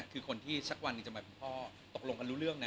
คือคนที่สักวันหนึ่งจะมาคุณพ่อตกลงกันรู้เรื่องนะ